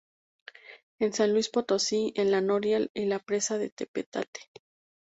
En San Luís Potosí, en La Noria y la Presa de Tepetate.